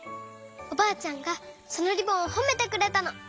おばあちゃんがそのリボンをほめてくれたの。